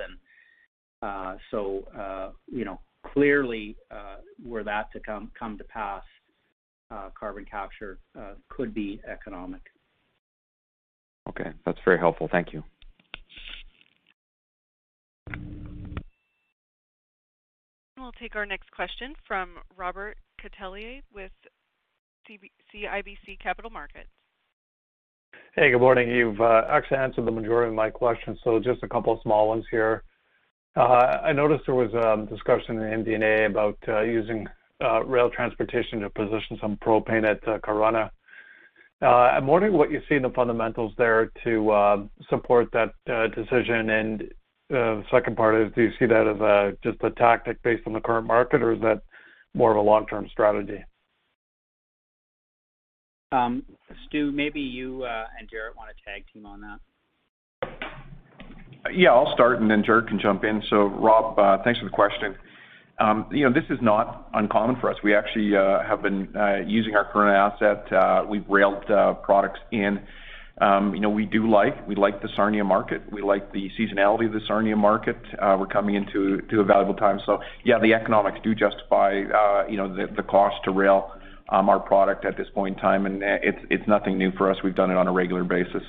You know, clearly, were that to come to pass, carbon capture could be economic. Okay. That's very helpful. Thank you. We'll take our next question from Robert Catellier with CIBC Capital Markets. Hey, good morning. You've actually answered the majority of my questions, so just a couple of small ones here. I noticed there was discussion in the MD&A about using rail transportation to position some propane at Corona. I'm wondering what you see in the fundamentals there to support that decision. The second part is, do you see that as just a tactic based on the current market, or is that more of a long-term strategy? Stu, maybe you and Jaret want to tag team on that. Yeah, I'll start, and then Jaret can jump in. Rob, thanks for the question. You know, this is not uncommon for us. We actually have been using our current asset. We've railed products in. You know, we like the Sarnia market. We like the seasonality of the Sarnia market. We're coming into a valuable time. Yeah, the economics do justify you know, the cost to rail our product at this point in time. It's nothing new for us. We've done it on a regular basis.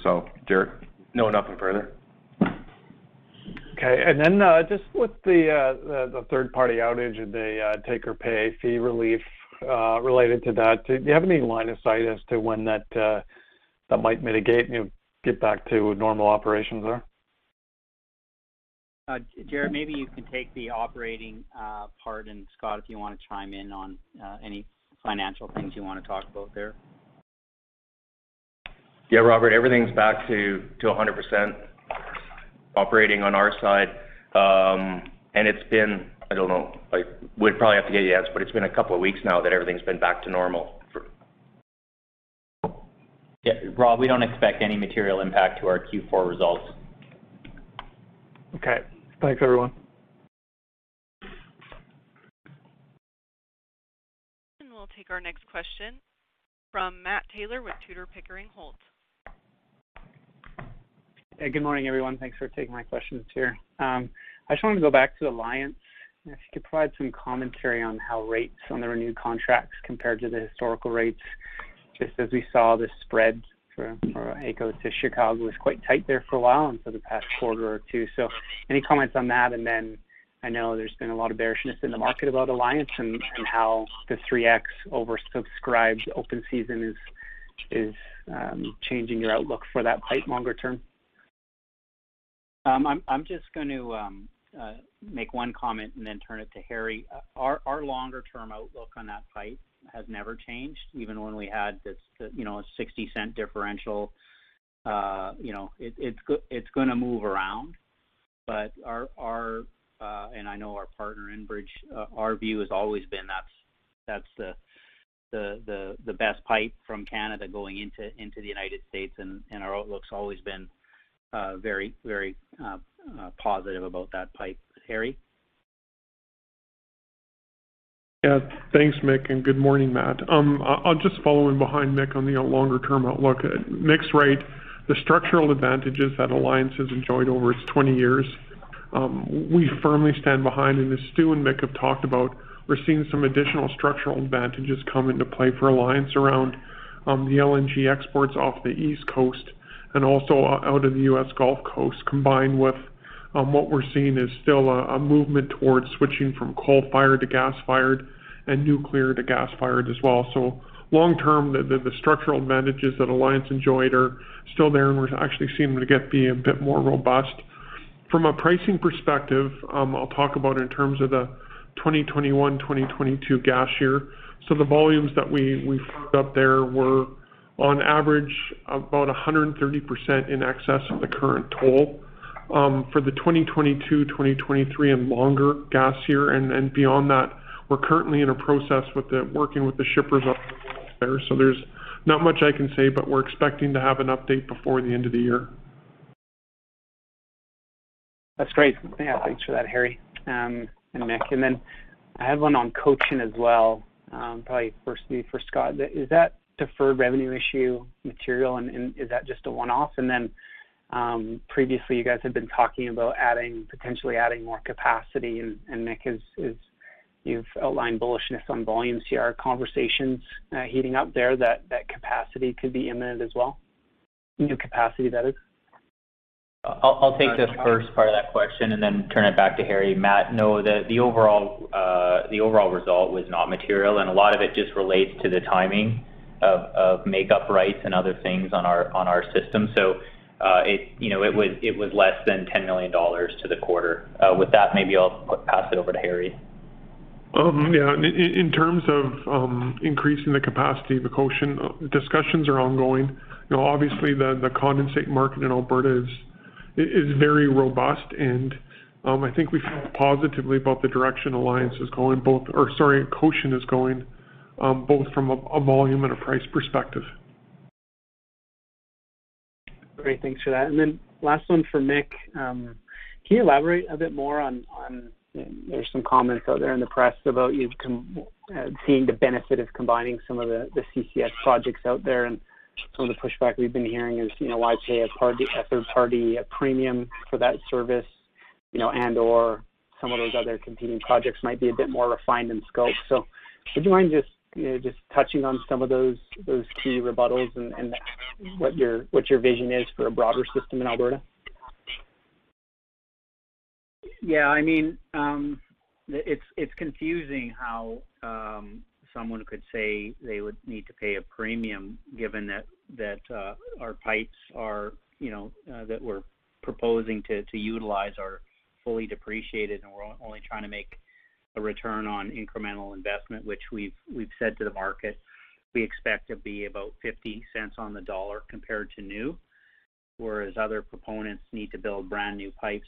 Jaret. No, nothing further. Okay. Just with the third party outage and the take or pay fee relief related to that, do you have any line of sight as to when that might mitigate, you know, get back to normal operations there? Jaret, maybe you can take the operating part, and Scott, if you wanna chime in on any financial things you wanna talk about there. Yeah, Robert, everything's back to 100% operating on our side. It's been, I don't know, I would probably have to get the exacts, but it's been a couple of weeks now that everything's been back to normal for. Yeah. Rob, we don't expect any material impact to our Q4 results. Okay. Thanks everyone. We'll take our next question from Matt Taylor with Tudor, Pickering, Holt & Co. Hey, good morning everyone. Thanks for taking my questions here. I just wanted to go back to Alliance, and if you could provide some commentary on how rates on the renewed contracts compared to the historical rates, just as we saw the spread for AECO to Chicago was quite tight there for a while and for the past quarter or two. Any comments on that, and then I know there's been a lot of bearishness in the market about Alliance and how the 3x oversubscribed open season is changing your outlook for that pipe longer term. I'm just going to make one comment and then turn it to Harry. Our longer term outlook on that pipe has never changed, even when we had this, you know, a 0.6 differential. You know, it's gonna move around. But our, and I know our partner Enbridge, our view has always been that's the best pipe from Canada going into the United States. And our outlook's always been very positive about that pipe. Harry? Yeah. Thanks, Mick, and good morning, Matt. Just following behind Mick on the longer term outlook. Mick's right, the structural advantages that Alliance has enjoyed over its 20 years, we firmly stand behind, and as Stu and Mick have talked about, we're seeing some additional structural advantages come into play for Alliance around the LNG exports off the East Coast and also out of the U.S. Gulf Coast, combined with what we're seeing is still a movement towards switching from coal-fired to gas-fired and nuclear to gas-fired as well. Long term, the structural advantages that Alliance enjoyed are still there, and we're actually seeing them to be a bit more robust. From a pricing perspective, I'll talk about in terms of the 2021, 2022 gas year. The volumes that we fucked up there were on average about 130% in excess of the current toll for the 2022, 2023 and longer gas year and beyond that, we're currently in a process working with the shippers up there. There's not much I can say, but we're expecting to have an update before the end of the year. That's great. Yeah, thanks for that, Harry, and Mick. I have one on Cochin as well, probably firstly for Scott. Is that deferred revenue issue material and is that just a one-off? Previously you guys had been talking about adding, potentially adding more capacity and, Mick, as you've aligned bullishness on volumes here. Are conversations heating up there that capacity could be imminent as well? New capacity, that is. I'll take this first part of that question and then turn it back to Harry. Matt, no, the overall result was not material, and a lot of it just relates to the timing of makeup rights and other things on our system. You know, it was less than 10 million dollars to the quarter. With that, maybe I'll pass it over to Harry. Yeah. In terms of increasing the capacity, the Cochin discussions are ongoing. You know, obviously the condensate market in Alberta is very robust and I think we feel positively about the direction Cochin is going both from a volume and a price perspective. Great. Thanks for that. Last one for Mick. Can you elaborate a bit more on you know there's some comments out there in the press about you seeing the benefit of combining some of the CCS projects out there and. Some of the pushback we've been hearing is, you know, why pay a third-party a premium for that service, you know, and/or some of those other competing projects might be a bit more refined in scope. Would you mind just, you know, just touching on some of those key rebuttals and what your vision is for a broader system in Alberta? Yeah. I mean, it's confusing how someone could say they would need to pay a premium given that our pipes are, you know, that we're proposing to utilize are fully depreciated, and we're only trying to make a return on incremental investment, which we've said to the market, we expect to be about 0.50. On the dollar compared to new. Whereas other proponents need to build brand-new pipes.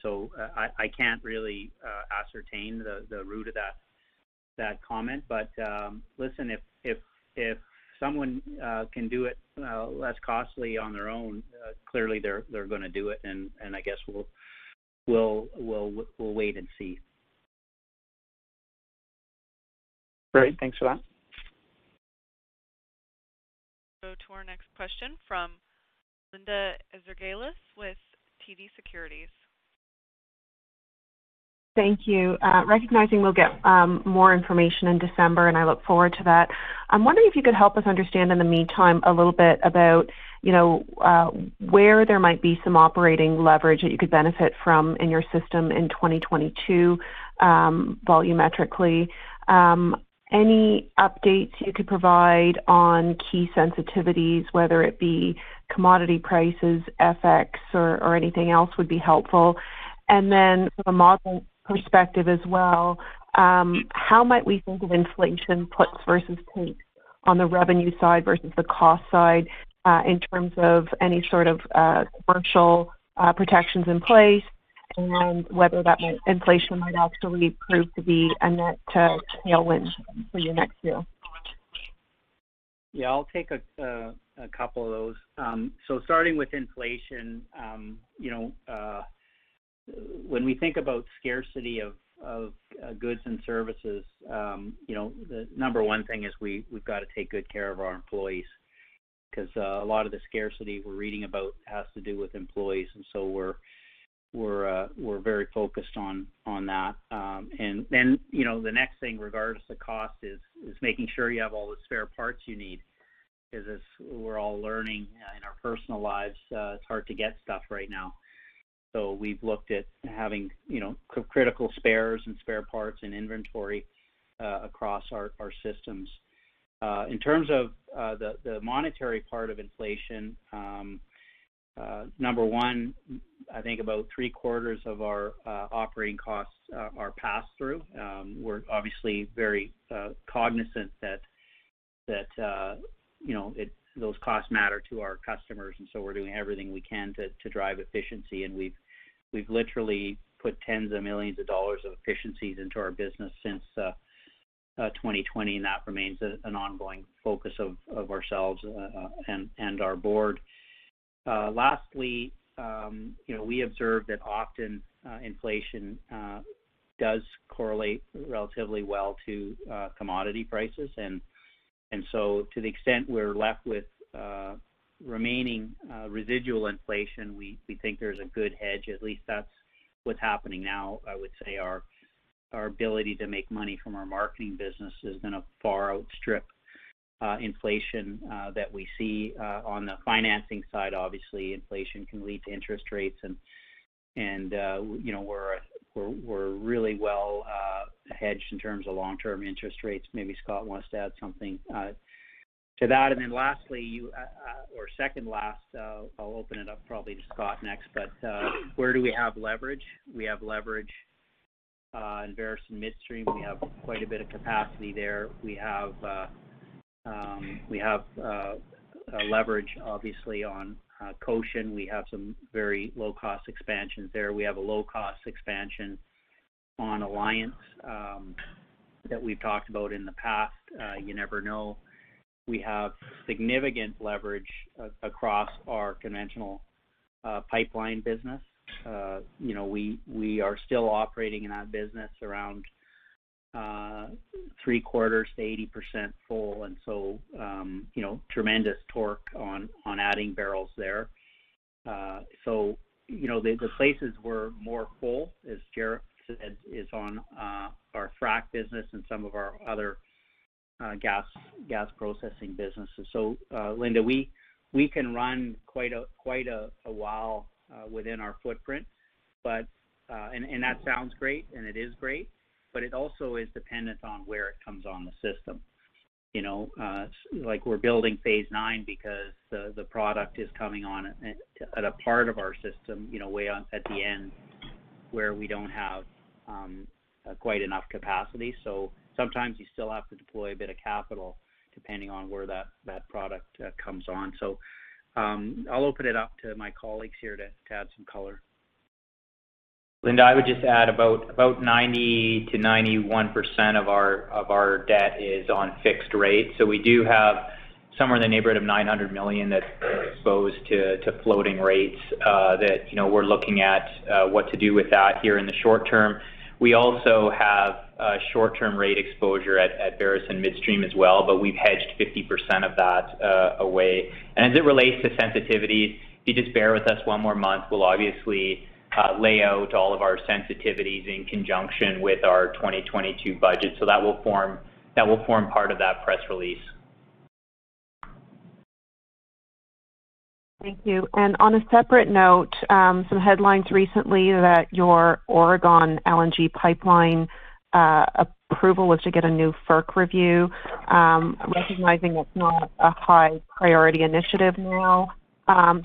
I can't really ascertain the root of that comment. Listen, if someone can do it less costly on their own, clearly they're gonna do it, and I guess we'll wait and see. Great. Thanks for that. Go to our next question from Linda Ezergailis with TD Securities. Thank you. Recognizing we'll get more information in December, and I look forward to that. I'm wondering if you could help us understand in the meantime a little bit about, you know, where there might be some operating leverage that you could benefit from in your system in 2022, volumetrically. Any updates you could provide on key sensitivities, whether it be commodity prices, FX or anything else would be helpful. From a model perspective as well, how might we think of inflation puts versus takes on the revenue side versus the cost side, in terms of any sort of commercial protections in place, and whether that inflation might actually prove to be a net tailwind for you next year? Yeah, I'll take a couple of those. Starting with inflation, you know, when we think about scarcity of goods and services, you know, the number one thing is we've got to take good care of our employees, 'cause a lot of the scarcity we're reading about has to do with employees, and so we're very focused on that. You know, the next thing, regardless of cost is making sure you have all the spare parts you need. 'Cause as we're all learning in our personal lives, it's hard to get stuff right now. We've looked at having, you know, critical spares and spare parts and inventory across our systems. In terms of the monetary part of inflation, number one, I think about three-quarters of our operating costs are passed through. We're obviously very cognizant that you know, those costs matter to our customers, and so we're doing everything we can to drive efficiency. We've literally put CAD tens of millions of efficiencies into our business since 2020, and that remains an ongoing focus of ourselves and our board. Lastly, you know, we observe that often inflation does correlate relatively well to commodity prices. To the extent we're left with remaining residual inflation, we think there's a good hedge. At least that's what's happening now. I would say our ability to make money from our marketing business is gonna far outstrip inflation that we see on the financing side. Obviously, inflation can lead to interest rates and you know, we're really well hedged in terms of long-term interest rates. Maybe Scott wants to add something to that. Lastly, or second last, I'll open it up probably to Scott next. Where do we have leverage? We have leverage in Veresen Midstream. We have quite a bit of capacity there. We have leverage obviously on Redwater. We have some very low-cost expansions there. We have a low-cost expansion on Alliance that we've talked about in the past. You never know. We have significant leverage across our conventional pipeline business. You know, we are still operating in that business around three-quarters to 80% full. You know, tremendous torque on adding bbls there. You know, the places we're more full, as Jaret said, is on our frack business and some of our other gas processing businesses. Linda, we can run quite a while within our footprint. That sounds great, and it is great, but it also is dependent on where it comes on the system. You know, like we're building Phase IX because the product is coming on at a part of our system, you know, at the end where we don't have quite enough capacity. Sometimes you still have to deploy a bit of capital depending on where that product comes on. I'll open it up to my colleagues here to add some color. Linda, I would just add about 90%-91% of our debt is on fixed rate. We do have somewhere in the neighborhood of 900 million that's exposed to floating rates, you know, we're looking at what to do with that here in the short term. We also have short-term rate exposure at Veresen Midstream as well, but we've hedged 50% of that away. As it relates to sensitivities, if you just bear with us one more month, we'll obviously lay out all of our sensitivities in conjunction with our 2022 budget. That will form part of that press release. Thank you. On a separate note, some headlines recently that your Jordan Cove LNG pipeline approval was to get a new FERC review, recognizing it's not a high priority initiative now.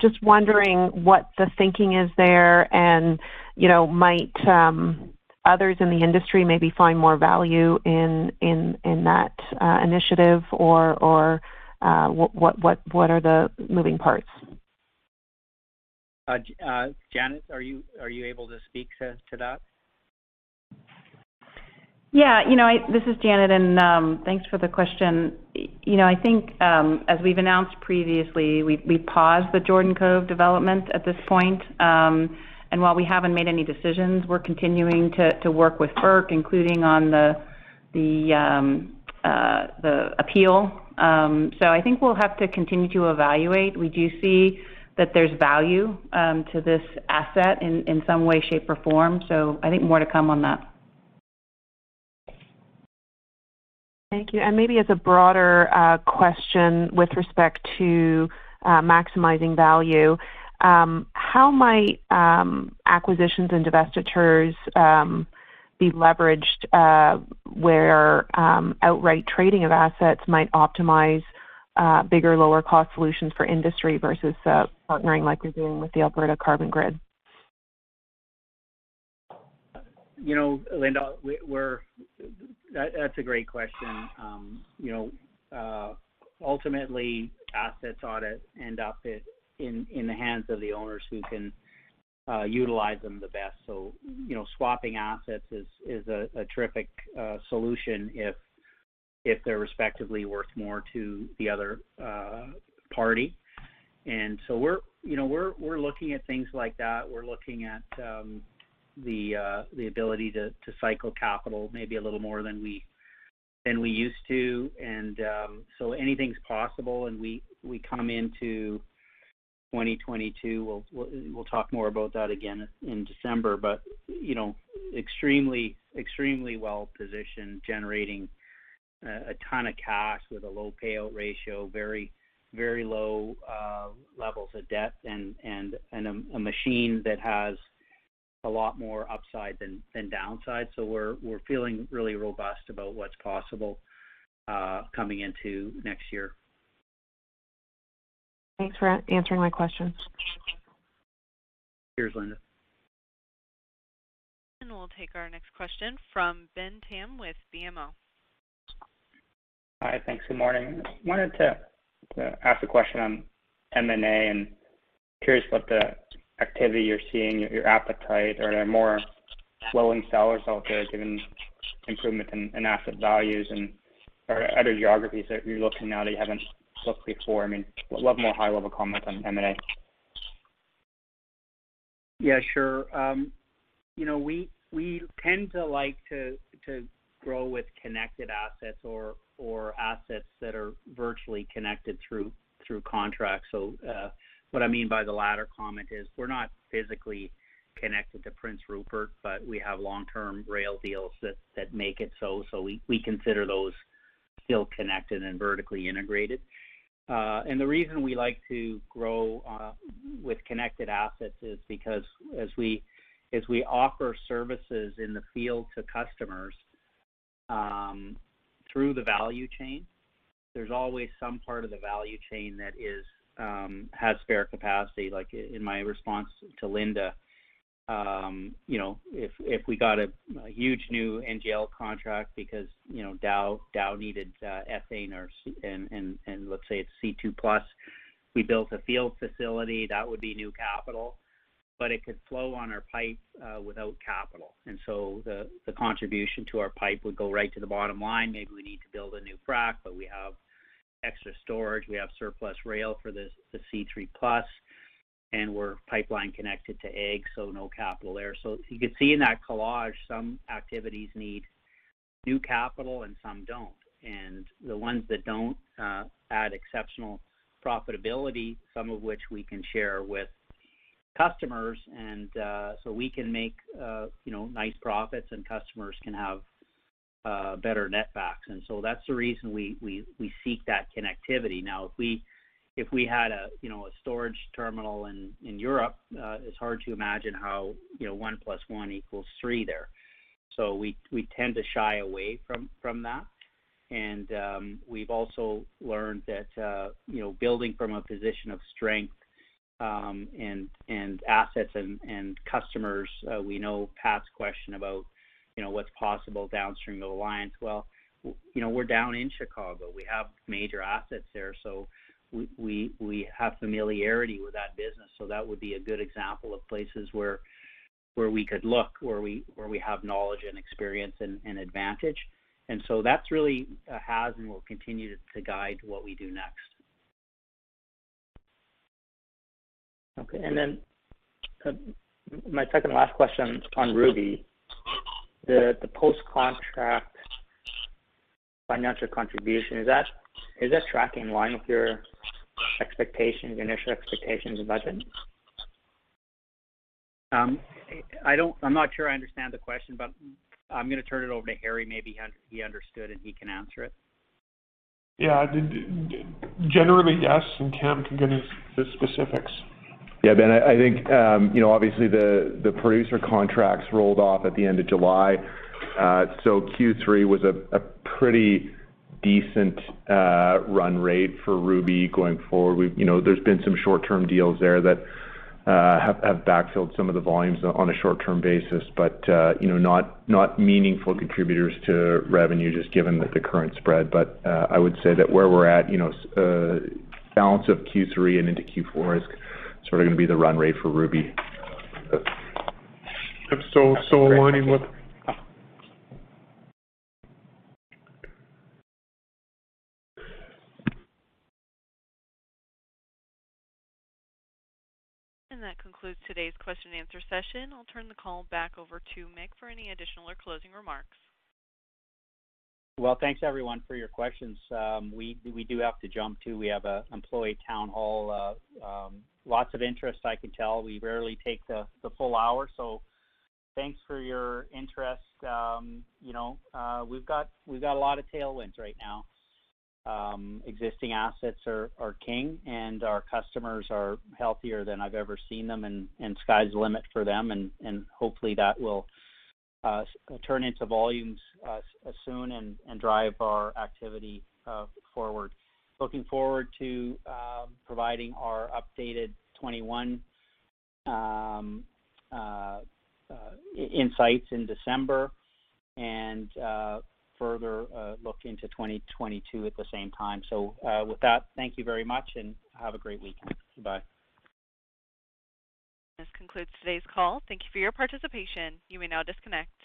Just wondering what the thinking is there and, you know, might others in the industry maybe find more value in that initiative or what are the moving parts? Janet, are you able to speak to that? Yeah. You know, this is Janet, and thanks for the question. You know, I think as we've announced previously, we paused the Jordan Cove development at this point. While we haven't made any decisions, we're continuing to work with FERC, including on the appeal. I think we'll have to continue to evaluate. We do see that there's value to this asset in some way, shape, or form. I think more to come on that. Thank you. Maybe as a broader question with respect to maximizing value, how might acquisitions and divestitures be leveraged, where outright trading of assets might optimize bigger, lower cost solutions for industry versus partnering like we're doing with the Alberta Carbon Grid? You know, Linda, that's a great question. You know, ultimately assets ought to end up in the hands of the owners who can utilize them the best. So, you know, swapping assets is a terrific solution if they're respectively worth more to the other party. You know, we're looking at things like that. We're looking at the ability to cycle capital maybe a little more than we used to. Anything's possible and we come into 2022, we'll talk more about that again in December. You know, extremely well-positioned, generating a ton of cash with a low payout ratio, very low levels of debt and a machine that has a lot more upside than downside. We're feeling really robust about what's possible coming into next year. Thanks for answering my questions. Cheers, Linda. We'll take our next question from Benjamin Pham with BMO. Hi. Thanks. Good morning. I wanted to ask a question on M&A and curious what the activity you're seeing, your appetite or more flowing sellers out there, given improvements in asset values or other geographies that you're looking now that you haven't looked before. I mean, would love more high-level comments on M&A. Yeah, sure. You know, we tend to like to grow with connected assets or assets that are virtually connected through contracts. What I mean by the latter comment is we're not physically connected to Prince Rupert, but we have long-term rail deals that make it so. We consider those still connected and vertically integrated. The reason we like to grow with connected assets is because as we offer services in the field to customers through the value chain, there's always some part of the value chain that has spare capacity. Like in my response to Linda, you know, if we got a huge new NGL contract because, you know, Dow needed Ethane or C2+, we built a field facility, that would be new capital, but it could flow on our pipes without capital. The contribution to our pipe would go right to the bottom line. Maybe we need to build a new frac, but we have extra storage. We have surplus rail for this, the C3+, and we're pipeline connected to AECO, so no capital there. You could see in that case some activities need new capital and some don't. The ones that don't add exceptional profitability, some of which we can share with customers, and so we can make you know, nice profits and customers can have better net backs. That's the reason we seek that connectivity. Now, if we had a you know, a storage terminal in Europe, it's hard to imagine how you know, one plus one equals three there. We tend to shy away from that. We've also learned that you know, building from a position of strength, and assets and customers, we know Pat's question about you know, what's possible downstream of Alliance. You know, we're down in Chicago. We have major assets there, so we have familiarity with that business. That would be a good example of places where we could look where we have knowledge and experience and advantage. That's really what has and will continue to guide what we do next. Okay. My second to last question on Ruby. The post-contract financial contribution, is that tracking in line with your expectations, initial expectations and budget? I'm not sure I understand the question, but I'm gonna turn it over to Harry. Maybe he understood, and he can answer it. Yeah. Generally, yes, and Cam can get into the specifics. Yeah. Ben, I think, you know, obviously the producer contracts rolled off at the end of July. Q3 was a pretty decent run rate for Ruby going forward. You know, there's been some short-term deals there that have backfilled some of the volumes on a short-term basis, but, you know, not meaningful contributors to revenue, just given the current spread. I would say that where we're at, you know, balance of Q3 and into Q4 is sort of gonna be the run rate for Ruby. Aligning with. Great. Thank you. That concludes today's question and answer session. I'll turn the call back over to Mick for any additional or closing remarks. Well, thanks everyone for your questions. We do have to jump to. We have an employee town hall. Lots of interest, I can tell. We rarely take the full hour, so thanks for your interest. You know, we've got a lot of tailwinds right now. Existing assets are king, and our customers are healthier than I've ever seen them, and sky's the limit for them. Hopefully that will turn into volumes soon and drive our activity forward. Looking forward to providing our updated 2021 insights in December and further look into 2022 at the same time. With that, thank you very much, and have a great weekend. Bye. This concludes today's call. Thank you for your participation. You may now disconnect.